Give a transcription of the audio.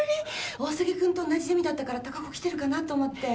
大杉君と同じゼミだったから貴子来てるかなと思って。